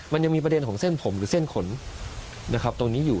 มันยังมีประเด็นของเส้นผมหรือเส้นขนนะครับตรงนี้อยู่